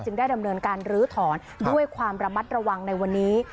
ได้ดำเนินการลื้อถอนด้วยความระมัดระวังในวันนี้